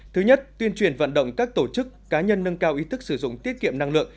thứ nhất tuyên truyền vận động các tổ chức cá nhân nâng cao ý thức sử dụng tiết kiệm năng lượng